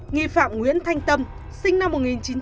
nghi phạm nguyễn thanh tâm sinh năm một nghìn chín trăm chín mươi bảy